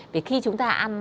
vì khi chúng ta ăn